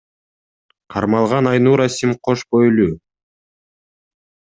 Кармалган Айнура Сим кош бойлуу.